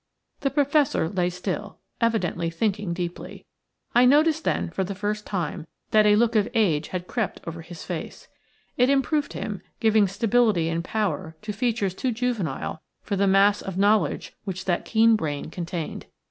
The Professor lay still, evidently thinking deeply. I noticed then, for the first time, that a look of age had crept over his face. It improved him, giving stability and power to features too juvenile for the mass of knowledge which that keen brain contained.